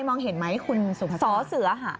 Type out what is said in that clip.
มองเห็นไหมคุณสุภาพสอเสือค่ะ